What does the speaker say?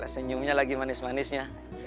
senyumnya lagi manis manisnya